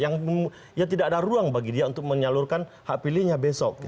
yang ya tidak ada ruang bagi dia untuk menyalurkan hak pilihnya besok